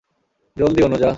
জলদি, অনুযা!